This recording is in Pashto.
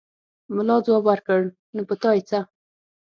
ملا ځواب ورکړ: نو په تا يې څه!